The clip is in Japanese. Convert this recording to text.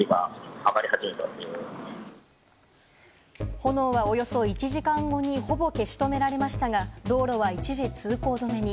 炎はおよそ１時間後にほぼ消し止められましたが、道路は一時通行止めに。